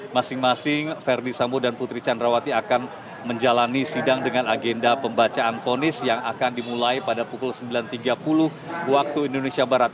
masing masing verdi sambo dan putri candrawati akan menjalani sidang dengan agenda pembacaan fonis yang akan dimulai pada pukul sembilan tiga puluh waktu indonesia barat